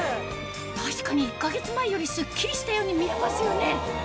確かに１か月前よりすっきりしたように見えますよね